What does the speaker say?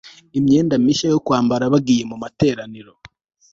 imyenda mishya yo kwambara bagiye mu materaniro